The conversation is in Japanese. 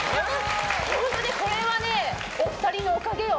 本当にこれはお二人のおかげよ。